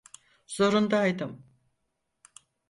Zorundaydım.